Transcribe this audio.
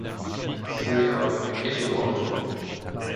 Siehe auch Echoortung.